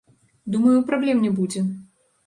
Думаю, праблем не будзе.